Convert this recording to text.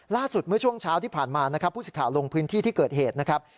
เมื่อช่วงเช้าที่ผ่านมานะครับผู้สิทธิ์ลงพื้นที่ที่เกิดเหตุนะครับ